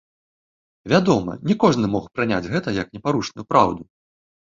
Вядома, не кожны мог прыняць гэта як непарушную праўду.